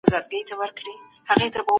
د تاريخ فلسفه د ټولني بدلونونه څېړي.